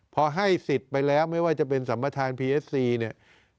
พอให้สิทธิ์ไปแล้วไม่ว่าจะเป็นสัมประธานพีเอสซีเนี่ย